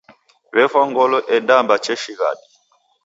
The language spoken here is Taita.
W'efwa ngolo edamba cheshighadi.